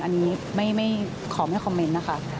อันนี้ไม่ขอไม่คอมเมนต์นะคะ